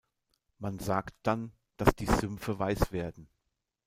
Man sagt dann, dass die Sümpfe „weiß“ werden.